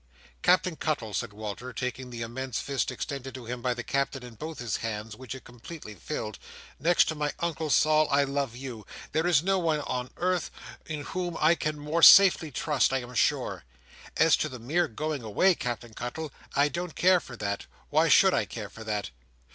"Captain Cuttle," said Walter, taking the immense fist extended to him by the Captain in both his hands, which it completely filled, next to my Uncle Sol, I love you. There is no one on earth in whom I can more safely trust, I am sure. As to the mere going away, Captain Cuttle, I don't care for that; why should I care for that!